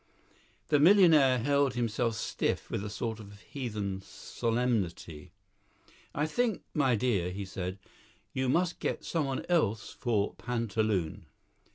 The millionaire held himself stiff with a sort of heathen solemnity. "I think, my dear," he said, "you must get someone else for pantaloon."